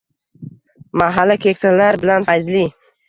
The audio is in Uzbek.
Mahalla keksalar bilan fayzli